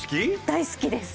大好きです。